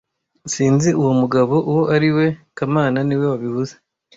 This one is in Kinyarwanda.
Sinzi uwo mugabo uwo ari we kamana niwe wabivuze